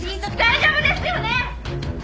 大丈夫ですよね！？